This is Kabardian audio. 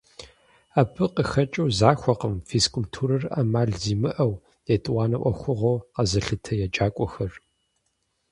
Абы къыхэкӀыу захуэкъым физкультурэр Ӏэмал зимыӀэу, етӀуанэ Ӏуэхугъуэу къэзылъытэ еджакӀуэхэр.